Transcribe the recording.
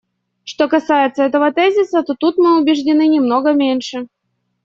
Что касается этого тезиса, то тут мы убеждены немного меньше.